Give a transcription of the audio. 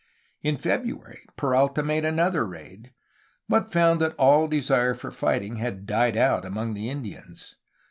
In February, Peralta made another raid, but found that all de sire for fighting had died out among the Indians.